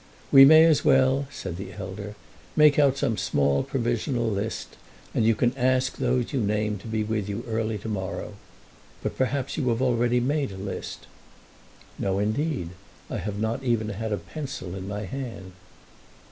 "We may as well," said the elder, "make out some small provisional list, and you can ask those you name to be with you early to morrow. But perhaps you have already made a list." "No indeed. I have not even had a pencil in my hand."